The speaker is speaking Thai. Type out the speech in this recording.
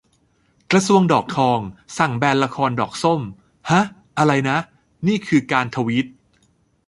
กระทรวงดอกทองสั่งแบนละครดอกส้ม ห๊ะ ! อะไรนะ ! ? นี่คือการทวีต